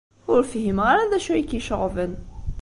Ur fhimeɣ ara d acu ay k-iceɣben.